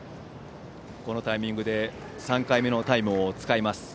このタイミングで３回目のタイムを使います。